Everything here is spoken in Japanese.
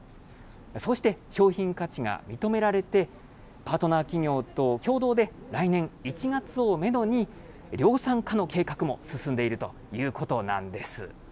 そうして商品価値が認められて、パートナー企業と共同で、来年１月をメドに、量産化の計画も進んでいるということなんです。